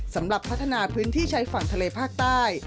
สำหรับพัฒนาพื้นที่ใช้ฝั่งทะเลภาคใต้